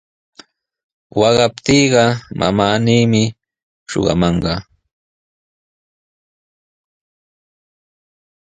Waqaptiiqa mamaami shuqamanqa.